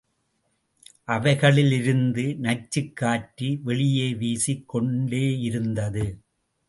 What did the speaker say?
அவைகளிலிருந்து நச்சுக் காற்று வெளியே வீசிக் கொண்டேயிருந்தது.